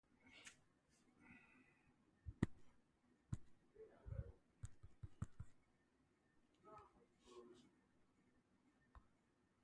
En su labor periodística destacó una entrevista que le realizó a Ella Fitzgerald.